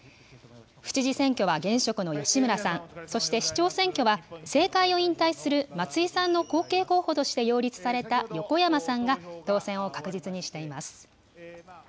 府知事選挙は現職の吉村さん、そして市長選挙は、政界を引退する松井さんの後継候補として擁立された横山さんが当選を確実にしています。